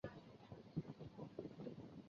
北宋著名画家。